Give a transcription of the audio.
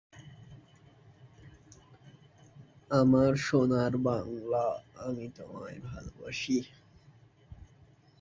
আবারও বেল দক্ষিণ আফ্রিকানদের মধ্যে সর্বাপেক্ষা সফলতম বোলার হন।